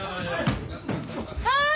はい！